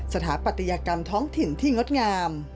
สถาปัตยกรรมท้องถิ่นที่งดงาม